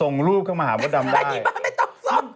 เน่จะหาผู้ชายไปญี่ปุ่นด้วย